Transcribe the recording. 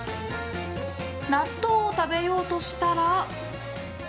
納豆を食べようとしたら。